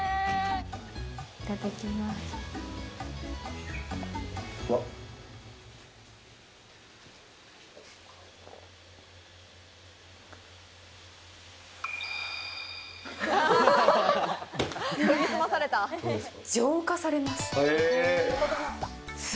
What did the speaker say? いただきます。